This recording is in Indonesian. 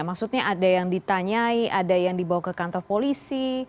maksudnya ada yang ditanyai ada yang dibawa ke kantor polisi